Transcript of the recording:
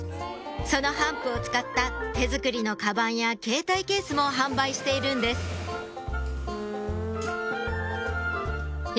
その帆布を使った手作りのカバンやケータイケースも販売しているんですえ？